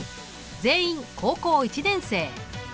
全員高校１年生。